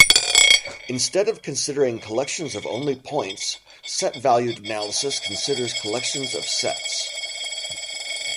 Instead of considering collections of only points, set-valued analysis considers collections of sets.